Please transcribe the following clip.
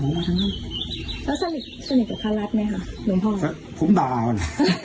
อ๋อมีเสียงด้วย